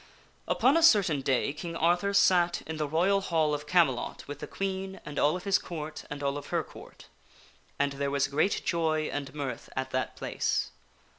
UPON a certain day King Arthur sat in the Royal Hall of Camelot with the Queen and all of his Court and all of her Court. And there was great joy and mirth at that place.